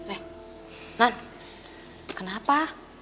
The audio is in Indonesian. eh nan kenapa